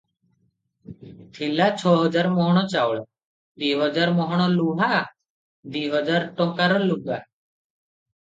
ଥିଲା ଛ ହଜାର ମହଣ ଚାଉଳ, ଦି ହଜାର ମହଣ ଲୁହା, ଦି ହଜାର ଟଙ୍କାର ଲୁଗା ।